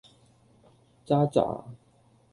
咋喳